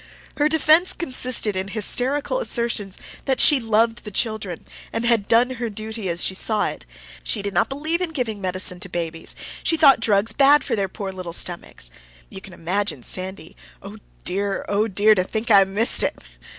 Her defense consisted in hysterical assertions that she loved the children, and had done her duty as she saw it. She did not believe in giving medicine to babies; she thought drugs bad for their poor little stomachs. You can imagine Sandy! Oh, dear! oh, dear! To think I missed it!